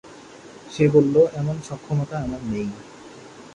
সে বলল, এমন সক্ষমতা আমার নেই।